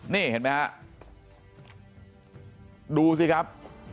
นี่เห็นมั้ยครับดูสิครับ